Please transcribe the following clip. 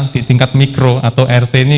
di tingkat mikro atau rt ini